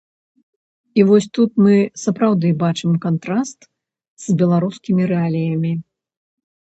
І вось тут мы сапраўды бачым кантраст з беларускімі рэаліямі.